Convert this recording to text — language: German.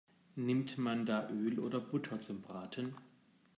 Nimmt man da Öl oder Butter zum Braten?